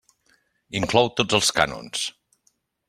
Inclou tots els cànons.